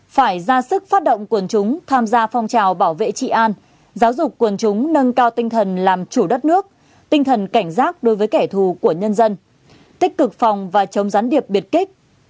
phải ra sức phát động quần chúng tham gia phong trào bảo vệ trị an giáo dục quần chúng nâng cao tinh thần làm chủ đất nước tinh thần cảnh giác đối với kẻ thù của nhân dân tích cực phòng và chống gián điệp biệt kích